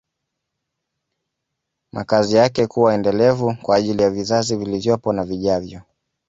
Makazi yake kuwa endelevu kwa ajili ya vizazi vilivyopo na vijavyo